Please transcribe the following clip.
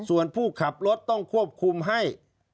ส่วนผู้ขับรถต้องควบคุมให้